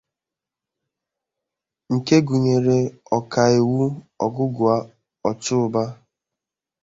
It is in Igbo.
nke gụnyere Ọkaiwu Ogugua Ochuba